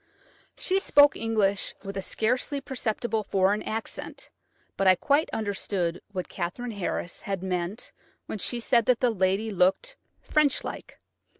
She spoke English with a scarcely perceptible foreign accent, but I quite understood what Katherine Harris had meant when she said that the lady looked "French like."